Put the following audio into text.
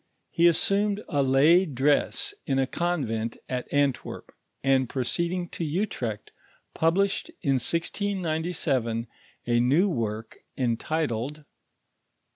He assumed a lay dress in a convent at Antwerp, and proceeding to Utrecht, published in 1697, o new work entitled— II.